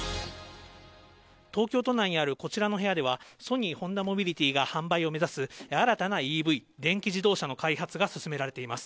東京都内にあるこちらの部屋では、ソニー・ホンダモビリティが販売を目指す、新たなＥＶ・電気自動車の開発が進められています。